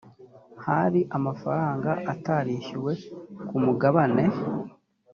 hari amafaranga atarishyuwe ku mugabane